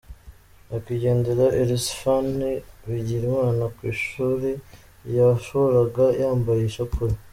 nyakwigendera Elisaphan Bigirimana ku ishuri yahoraga yambaye ishapure.